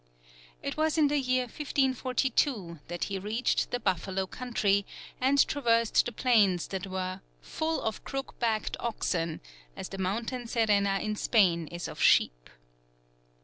It was in the year 1542 that he reached the buffalo country, and traversed the plains that were "full of crooke backed oxen, as the mountaine Serena in Spaine is of sheepe."